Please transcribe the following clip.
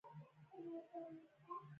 هلته د پنځوس کلن سړي سکلیټ موندل شوی و.